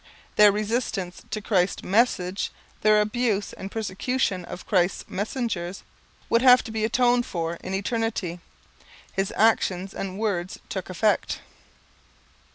Their resistance to Christ's message, their abuse and persecution of Christ's messengers, would have to be atoned for in eternity. His actions and words took effect.